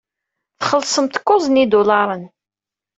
Txellṣem-t kuẓ n yidulaṛen.